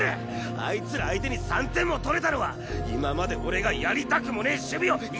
あいつら相手に３点も取れたのは今まで俺がやりたくもねえ守備をやってやったからだ！